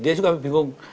dia juga bingung